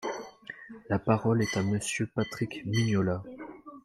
La parole est à Monsieur Patrick Mignola.